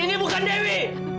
ini bukan dewi